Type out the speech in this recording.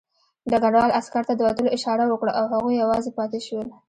ډګروال عسکر ته د وتلو اشاره وکړه او هغوی یوازې پاتې شول